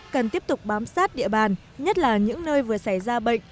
cần tiếp tục bám sát địa bàn nhất là những nơi vừa xảy ra bệnh